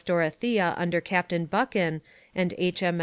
Dorothea under Captain Buchan, and H.